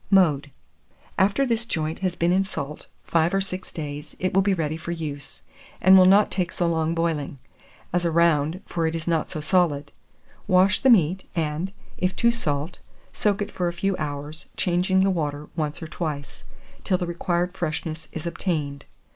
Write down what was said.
Mode. After this joint has been in salt 5 or 6 days, it will be ready for use, and will not take so long boiling: as a round, for it is not so solid. Wash the meat, and, if too salt, soak it for a few hours, changing the water once or twice, till the required freshness is obtained.